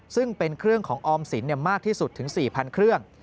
ซึ่งเป็นเครื่องของออมสินมากที่สุดถึง๔๐๐๐เครื่อง